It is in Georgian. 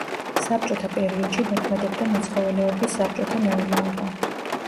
საბჭოთა პერიოდში მოქმედებდა მეცხოველეობის საბჭოთა მეურნეობა.